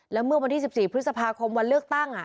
แล้วเมื่อวันที่๑๔พฤษภาคมวันเลือกตั้ง